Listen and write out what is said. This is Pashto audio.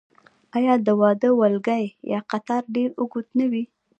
آیا د واده ولکۍ یا قطار ډیر اوږد نه وي؟